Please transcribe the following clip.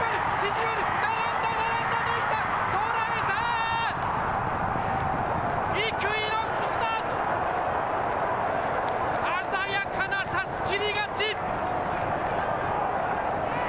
鮮やかな差し切り勝ち。